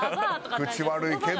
口悪いけど。